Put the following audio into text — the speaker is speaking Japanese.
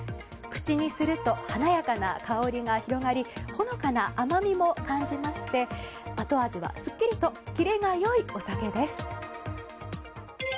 口にすると華やかな香りが広がりほのかな甘みも感じまして後味はすっきりとキレが良いお酒です。